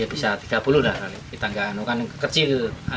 ya bisa tiga puluh lah kita nggak kan kecil